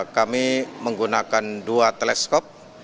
kami menggunakan dua teleskop